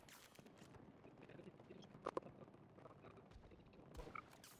যদি রাজ্যভিত্তিক শাসনব্যবস্থার প্রচলন ঘটানো হয়, তাহলে আমাদের তিনটি সমপর্যায়ের রাজধানী থাকবে।